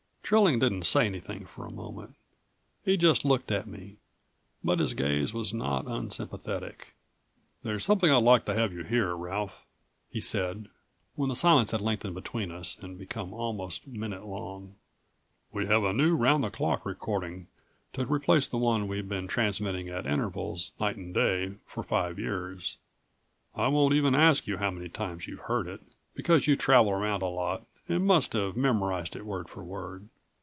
Trilling didn't say anything for a moment. He just looked at me, but his gaze was not unsympathetic. "There's something I'd like to have you hear, Ralph," he said, when the silence had lengthened between us and become almost minute long. "We have a new, round the clock recording to replace the one we've been transmitting at intervals, night and day, for five years. I won't even ask you how many times you've heard it, because you travel around a lot and must have memorized it word for word.